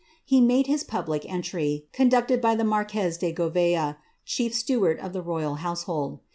He made his public r, conducted by the marquez de Gouvea, chief steward of the royal ell old.'